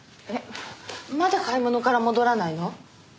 まだ買い物から戻らないの？